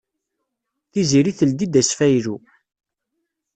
Tiziri teldi-d asfaylu.